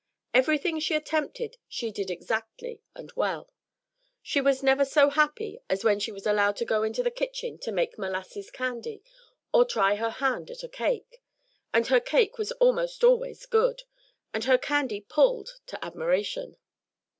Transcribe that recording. Everything she attempted she did exactly and well. She was never so happy as when she was allowed to go into the kitchen to make molasses candy or try her hand at cake; and her cake was almost always good, and her candy "pulled" to admiration.